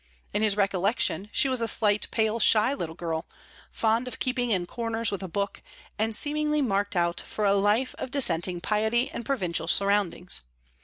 In his recollection, she was a slight, pale, shy little girl, fond of keeping in corners with a book, and seemingly marked out for a life of dissenting piety and provincial surroundings.